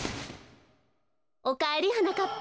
おかえりはなかっぱ。